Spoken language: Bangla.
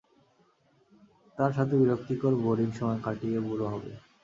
তার সাথে বিরক্তিকর বোরিং সময় কাটিয়ে বুড়ো হবে।